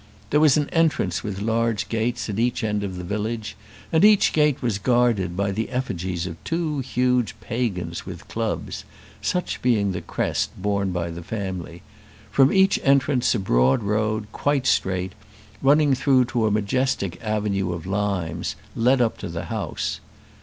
There was an entrance with large gates at each end of the village, and each gate was guarded by the effigies of two huge pagans with clubs, such being the crest borne by the family; from each entrance a broad road, quite straight, running through to a majestic avenue of limes, led up to the house.